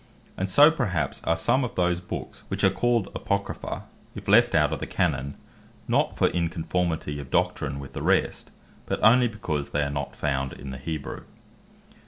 And so perhaps are some of those Books which are called Apocrypha, if left out of the Canon, not for inconformity of Doctrine with the rest, but only because they are not found in the Hebrew.